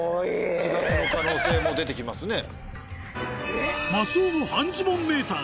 ４月の可能性も出て来ますね。